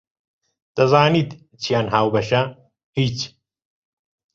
دەزانیت چیان هاوبەشە؟ هیچ!